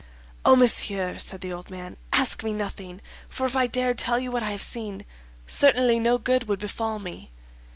"Oh! Monsieur," said the old man, "ask me nothing; for if I dared tell you what I have seen, certainly no good would befall me."